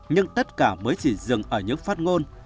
nhưng tất cả mới chỉ dừng ở những phát ngôn